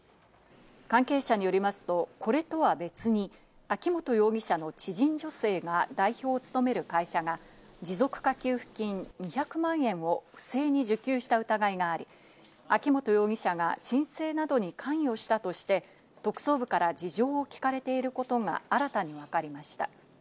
関係者によりますと、これとは別に、秋本容疑者の知人女性が代表を務める会社が持続化給付金２００万円を不正に受給した疑いがあり、秋本容疑者が申請などに関与したとして、特捜部から事情を聞かれていることが新たにわかりました。